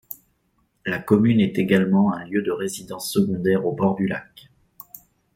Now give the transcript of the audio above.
La commune est également un lieu de résidences secondaires au bord du lac.